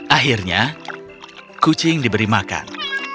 akhirnya kucing diberi makan